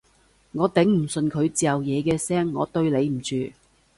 我頂唔順佢嚼嘢嘅聲，我對你唔住